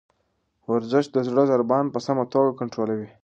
ورزش د زړه ضربان په سمه توګه کنټرولوي.